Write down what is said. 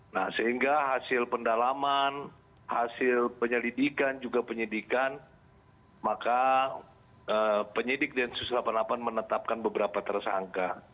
nah sehingga hasil pendalaman hasil penyelidikan juga penyidikan maka penyidik densus delapan puluh delapan menetapkan beberapa tersangka